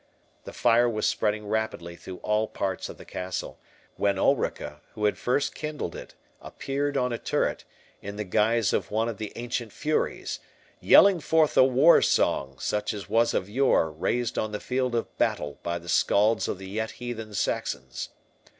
The fire was spreading rapidly through all parts of the castle, when Ulrica, who had first kindled it, appeared on a turret, in the guise of one of the ancient furies, yelling forth a war song, such as was of yore raised on the field of battle by the scalds of the yet heathen Saxons.